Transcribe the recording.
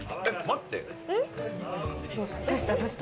待って。